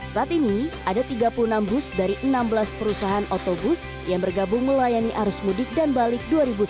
saat ini ada tiga puluh enam bus dari enam belas perusahaan otobus yang bergabung melayani arus mudik dan balik dua ribu sembilan belas